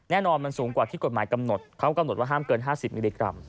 แน่นอนมันสูงกว่าที่กฎหมายกำหนดเขากำหนดว่าห้ามเกิน๕๐มิลลิกรัม